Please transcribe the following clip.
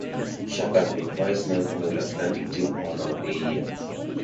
Shank has been twice named Formula Atlantic Team Owner of the Year.